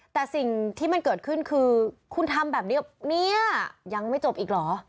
แต่สิ่งที่มันเกิดขึ้นคือคุณทำแบบนี้เนี่ยยังไม่จบอีกเหรอ